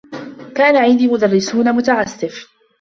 كان عندي مدرّسون متعسّف.